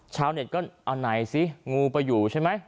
ชาวเน็ตก็เอาไหนสิงูไปอยู่ใช่ไหม